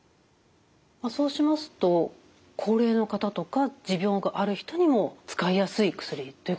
そうしますと高齢の方とか持病がある人にも使いやすい薬ということなんですね？